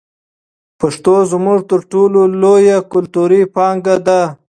پښتو زموږ تر ټولو لویه کلتوري پانګه ده.